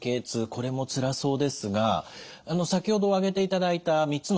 これもつらそうですが先ほど挙げていただいた３つのお薬